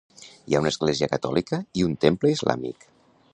Hi ha una església catòlica i un temple islàmic.